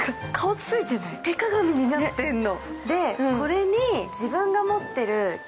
手鏡になってんの。